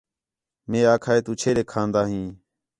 مئے آکھا ہِے تو چھے ݙے کھان٘دا ہیں